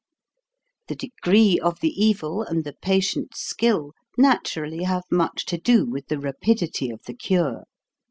The degree of the evil, and the patient's skill, naturally have much to do with the rapidity of the cure.